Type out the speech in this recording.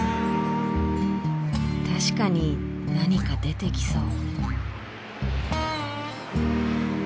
確かに何か出てきそう。